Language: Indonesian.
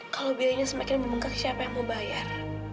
kalau biayanya semakin membengkak siapa yang mau bayar